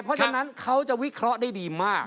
เพราะฉะนั้นเขาจะวิเคราะห์ได้ดีมาก